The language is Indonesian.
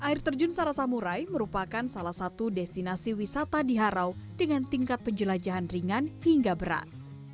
air terjun sarasamurai merupakan salah satu destinasi wisata di harau dengan tingkat penjelajahan ringan hingga berat